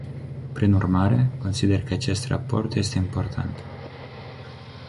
Prin urmare, consider că acest raport este important.